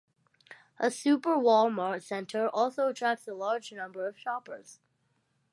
A Super Wal-Mart center also attracts a large number of shoppers.